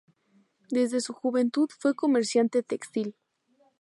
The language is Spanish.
Desde su juventud fue comerciante textil.